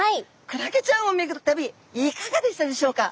クラゲちゃんを巡る旅いかがでしたでしょうか？